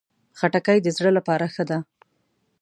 خټکی د زړه لپاره ښه ده.